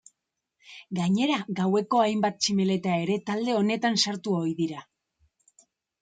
Gainera gaueko hainbat tximeleta ere talde honetan sartu ohi dira.